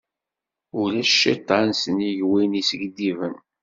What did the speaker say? Ulac cciṭan, sennig win iskiddiben.